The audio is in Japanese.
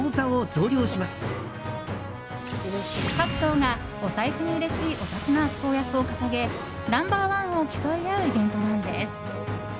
各党がお財布にうれしいお得な公約を掲げナンバー１を競い合うイベントなんです。